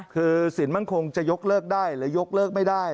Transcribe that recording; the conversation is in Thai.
คือสินมั่นคงจะยกเลิกได้หรือยกเลิกไม่ได้